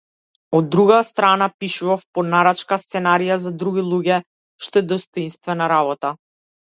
Од друга страна, пишував по нарачка сценарија за други луѓе, што е достоинствена работа.